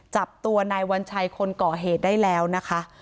จับตัวนายวัญชัยคนก่อเหตุได้แล้วนะคะ